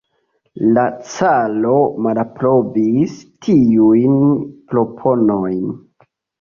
La caro malaprobis tiujn proponojn.